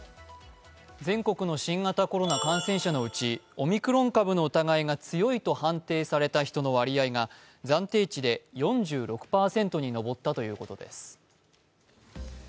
全国の新型コロナ感染者のうちオミクロン株の疑いが強いと判定された人の割合が暫定値で４６％に上ったということです。